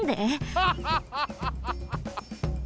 ハハハハハ！